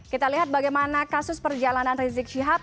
kita lihat bagaimana kasus perjalanan risikosidab ini